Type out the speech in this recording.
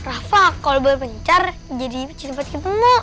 rafa kalau belum pencar jadi pencet tempat kita mau